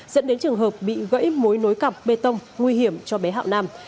dẫn đến trường hợp bị gãy mối nối cọc bê tông nguy hiểm cho bé hạo nam